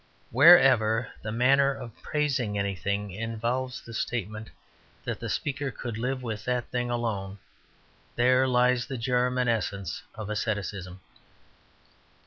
Wherever the manner of praising anything involves the statement that the speaker could live with that thing alone, there lies the germ and essence of asceticism.